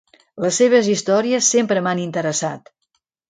Les seves històries sempre m'han interessat.